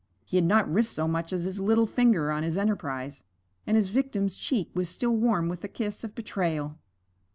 He had not risked so much as his little finger on his enterprise, and his victim's cheek was still warm with the kiss of betrayal.